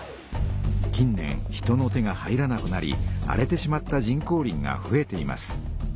近年人の手が入らなくなり荒れてしまった人工林がふえています。